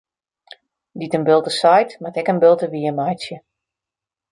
Dy't in bulte seit, moat ek in bulte wiermeitsje.